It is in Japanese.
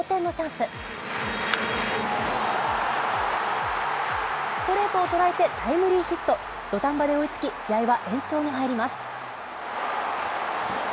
ストレートを捉えて、タイムリーヒット、土壇場で追いつき、試合は延長に入ります。